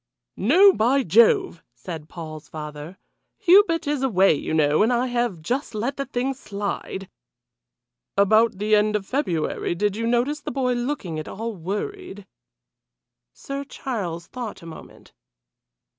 "No! By Jove!" said Paul's father. "Hubert is away, you know, and I have just let the thing slide " "About the end of February did you notice the boy looking at all worried?" Sir Charles thought a moment.